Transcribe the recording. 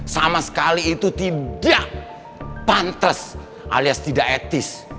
sama sekali itu tidak pantes alias tidak etis